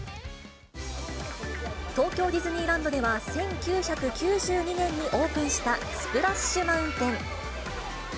東京ディズニーランドでは、１９９２年にオープンしたスプラッシュ・マウンテン。